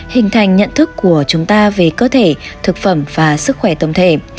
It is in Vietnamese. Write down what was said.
hình thành nhận thức của chúng ta về cơ thể thực phẩm và sức khỏe tổng thể